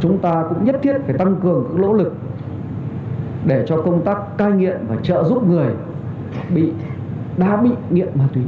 chúng ta cũng nhất thiết phải tăng cường lỗ lực để cho công tác cai nghiện và trợ giúp người bị đã bị nghiện ma túy